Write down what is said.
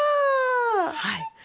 はい。